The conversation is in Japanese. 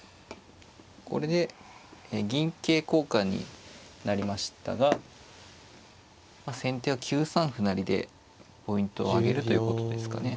これで銀桂交換になりましたが先手は９三歩成でポイントをあげるということですかね。